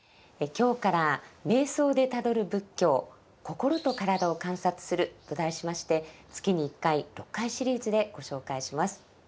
今日から「瞑想でたどる仏教心と身体を観察する」と題しまして月に１回６回シリーズでご紹介します。